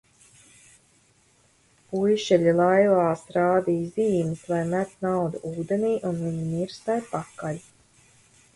Puišeļi laivās rādīja zīmes, lai met naudu ūdenī un viņi nirs tai pakaļ.